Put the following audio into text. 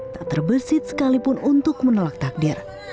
tak terbesit sekalipun untuk menolak takdir